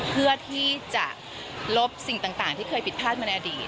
เพื่อที่จะลบสิ่งต่างที่เคยผิดพลาดมาในอดีต